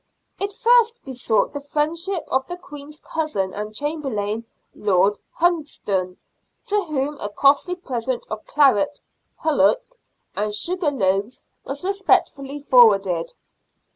It first besought the friendship of the LORD TREASURER BUCKHURST. 115 Queen's cousin and chamberlain, Lord Hunsdon, to whom a costly present of claret, " hullock," and sugar loaves was respectfully forwarded.